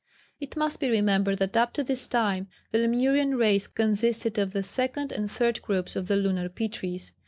It must be remembered that up to this time the Lemurian race consisted of the second and third groups of the Lunar Pitris.